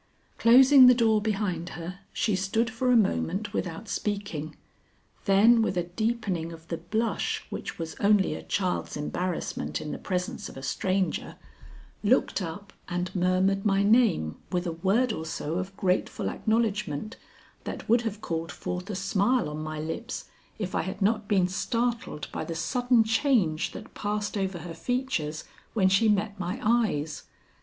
Closing the door behind her, she stood for a moment without speaking, then with a deepening of the blush which was only a child's embarrassment in the presence of a stranger, looked up and murmured my name with a word or so of grateful acknowledgment that would have called forth a smile on my lips if I had not been startled by the sudden change that passed over her features when she met my eyes.